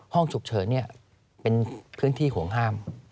ห้องฉุกเฉินเป็นพื้นที่ห่วงห้าม